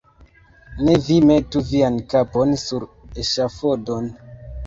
Ne vi metu vian kapon sur eŝafodon.